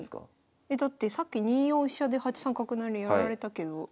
えだってさっき２四飛車で８三角成やられたけど。